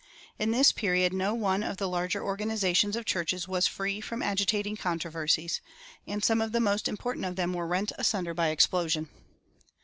In this period no one of the larger organizations of churches was free from agitating controversies, and some of the most important of them were rent asunder by explosion.